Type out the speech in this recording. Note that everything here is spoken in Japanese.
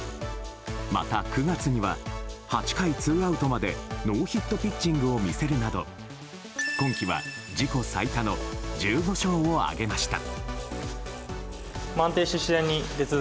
また９月には８回ツーアウトまでノーヒットピッチングを見せるなど今季は自己最多の１５勝を挙げました。